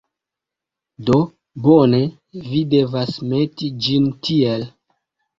Do, bone, vi devas meti ĝin tiel.